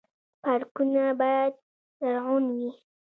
پارکونه باید زرغون وي